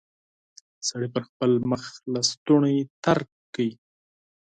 سړي پر خپل مخ لستوڼی تېر کړ.